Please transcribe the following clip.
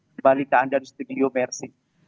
kembali ke anda di studio versi